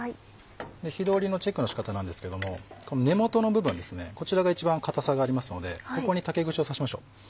火通りのチェックの仕方なんですけどもこの根元の部分ですねこちらが一番硬さがありますのでここに竹串を刺しましょう。